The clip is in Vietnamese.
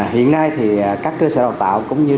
hiện nay thì các cơ sở đào tạo cũng như